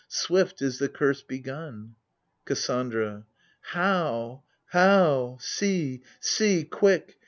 Swift is the curse begun ! KASSANDRA. How ! How ! See— see quick